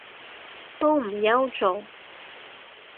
都唔憂做